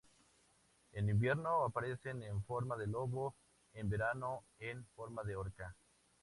En invierno, aparecen en forma de lobo, en verano, en forma de orca.